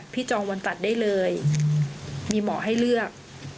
จองวันตัดได้เลยมีหมอให้เลือก